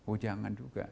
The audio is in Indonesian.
oh jangan juga